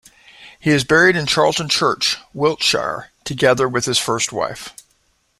He is buried in Charlton Church, Wiltshire, together with his first wife.